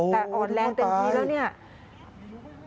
แต่อ่อนแรงเต็มบี๒นี่นี่